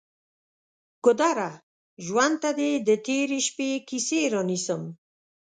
ګودره! ژوند ته دې د تیرې شپې کیسې رانیسم